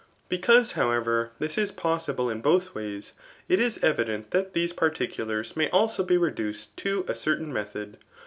Because, however, this is possible in both ways, it is evident that these patticulars may 'also be reduced to a certain method.